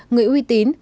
người uy tín